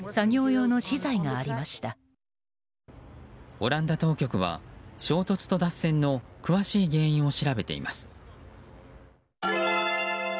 オランダ当局は、衝突と脱線の詳しい原因を調べています。